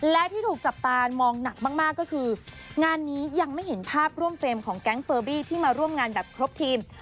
และที่ถูกจับตามองหนักมากก็คืองานนี้ยังไม่เห็นภาพร่วมเฟรมของแก๊งเฟอร์บี้ที่มาร่วมงานแบบครบทีม